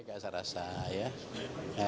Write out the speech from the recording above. itulah diairnya mereka secara saya